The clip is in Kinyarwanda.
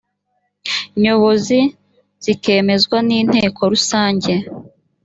nyobozi bikemezwa n inteko rusange